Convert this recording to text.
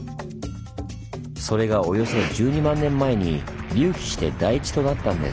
それがおよそ１２万年前に隆起して台地となったんです。